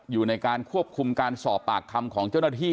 อยู่ในการควบคุมการสอบปากคำของเจ้าหน้าที่